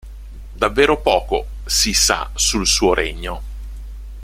Davvero poco si sa sul suo regno.